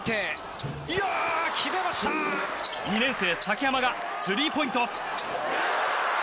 ２年生、崎濱がスリーポイント！